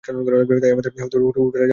তাই আমাদের আর হোটেলে যাওয়ার দরকার নেই।